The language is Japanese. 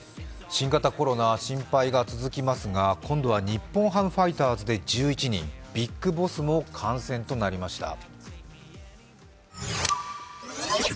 新型コロナ、心配が続きますが今度は日本ハムファイターズで１１人、ＢＩＧＢＯＳＳも感染となりました。